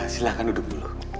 silahkan duduk dulu